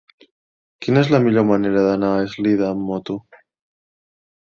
Quina és la millor manera d'anar a Eslida amb moto?